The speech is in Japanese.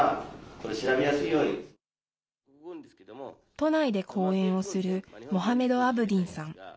都内で講演をするモハメド・アブディンさん。